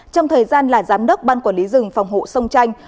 trong thời gian là giám đốc ban quản lý rừng phòng hộ sông chanh